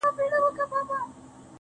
پسله کلونو چي پر ځان بدگمانې کړې ده,